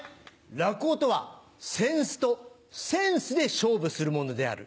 落語とは扇子とセンスで勝負するものである。